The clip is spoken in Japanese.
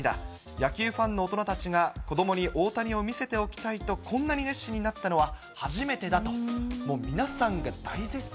野球ファンの大人たちが子どもに大谷を見せておきたいとこんなに熱心になったのは初めてだと、皆さんが大絶賛。